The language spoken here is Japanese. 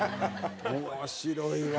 面白いわ。